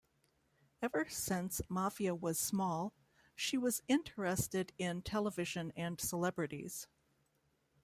Ever since Maffia was small, she was interested in television, and celebrities.